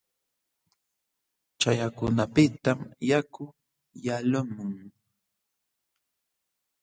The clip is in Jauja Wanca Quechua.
Chaqyakunapiqtam yaku yalqamun.